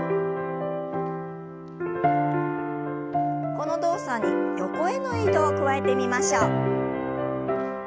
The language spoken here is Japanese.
この動作に横への移動を加えてみましょう。